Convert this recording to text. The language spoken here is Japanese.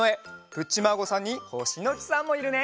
プッチマーゴさんにホシノキさんもいるね。